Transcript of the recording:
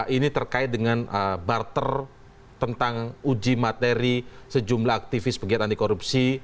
ini terkait dengan barter tentang uji materi sejumlah aktivis pegiat anti korupsi